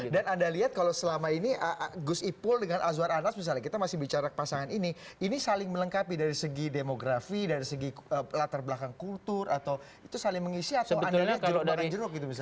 dan anda lihat kalau selama ini gus ipul dengan azwar anas misalnya kita masih bicara pasangan ini ini saling melengkapi dari segi demografi dari segi latar belakang kultur atau itu saling mengisi atau anda lihat jeruk barang jeruk gitu misalnya